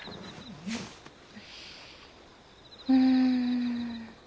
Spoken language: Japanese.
うん。